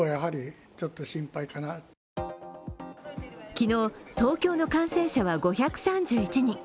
昨日、東京の感染者は５３１人。